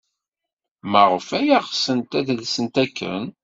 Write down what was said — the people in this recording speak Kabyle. Maɣef ay ɣsent ad lsent akken?